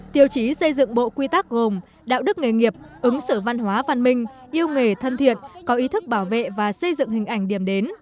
tiêu chí xây dựng bộ quy tắc gồm đạo đức nghề nghiệp ứng xử văn hóa văn minh yêu nghề thân thiện có ý thức bảo vệ và xây dựng hình ảnh điểm đến